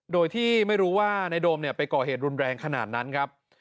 โดยที่ไม่รู้ว่านายโดมไปก่อเหตุรุนแรงขนาดนั้นครับ